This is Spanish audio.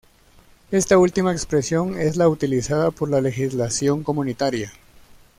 Esta última expresión es la utilizada por la legislación comunitaria.